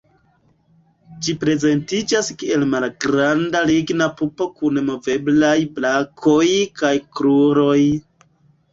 Ĝi prezentiĝas kiel malgranda ligna pupo kun moveblaj brakoj kaj kruroj.